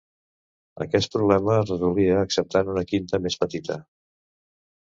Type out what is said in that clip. Aquest problema es resolia acceptant una quinta més petita.